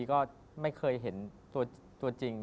ก็ไม่เคยเห็นตัวจริง